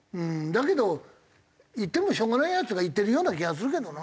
だけど行ってもしょうがないヤツが行ってるような気がするけどな。